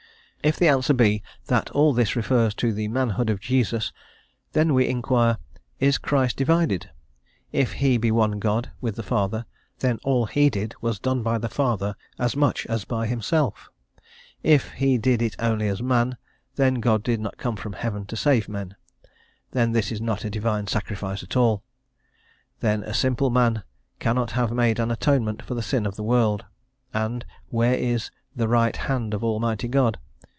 If the answer be, that all this refers to the manhood of Jesus, then we inquire, "Is Christ divided?" if He be one God with the Father, then all He did was done by the Father as much as by Himself; if He did it only as man, then God did not come from heaven to save men; then this is not a divine sacrifice at all; then, a simple man cannot have made an atonement for the sin of the world. And where is "the right hand" of Almighty God?